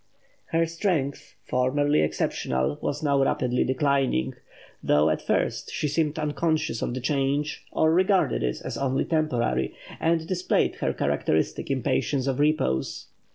Her strength, formerly exceptional, was now rapidly declining; though at first she seemed unconscious of the change, or regarded it as only temporary, and displayed her characteristic impatience of repose.